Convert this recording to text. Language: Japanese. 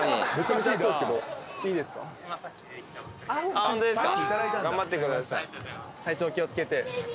あっホントですか。